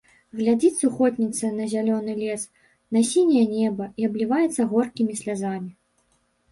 Глядзіць сухотніца на зялёны лес, на сіняе неба і абліваецца горкімі слязамі.